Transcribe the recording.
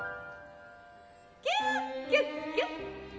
「キュキュッキュッ！」